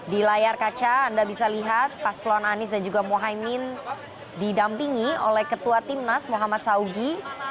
di layar kaca anda bisa lihat paslon anies dan juga mohaimin didampingi oleh ketua timnas muhammad saudi